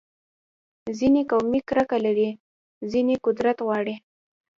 ځینې قومي کرکه لري، ځینې قدرت غواړي.